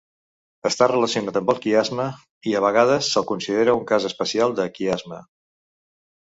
Està relacionat amb el quiasme, i a vegades se'l considera un cas especial de quiasme.